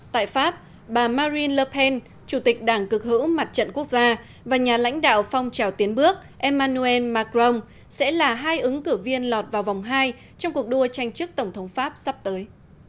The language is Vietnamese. tại pháp bà marine le pen chủ tịch đảng cực hữu mặt trận quốc gia và nhà lãnh đạo phong trào tiến bước emmanuel macron sẽ là hai ứng cử viên lọt vào vòng hai trong cuộc đua tranh chức tổng thống pháp sắp tới